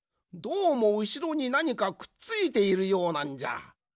どうもうしろになにかくっついているようなんじゃ。